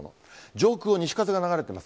上空を西風が流れてます。